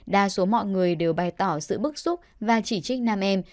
đa số mọi người đều bày tỏ sự bức xúc và chỉ trích nam em